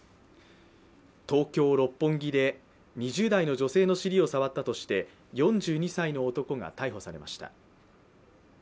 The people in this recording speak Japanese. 東京・六本木で、２０代の女性の尻を触ったとして４２歳の男が逮捕されました。